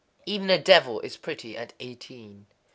_ Even a devil [is pretty] at eighteen.